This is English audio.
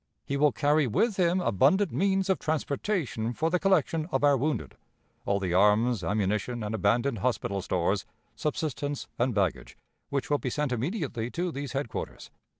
He will carry with him abundant means of transportation for the collection of our wounded, all the arms, ammunition, and abandoned hospital stores, subsistence, and baggage, which will be sent immediately to these headquarters.